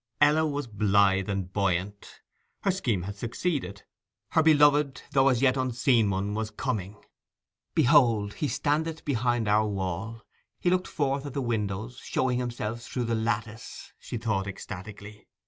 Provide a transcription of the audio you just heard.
Ella was blithe and buoyant. Her scheme had succeeded; her beloved though as yet unseen one was coming. "Behold, he standeth behind our wall; he looked forth at the windows, showing himself through the lattice," she thought ecstatically.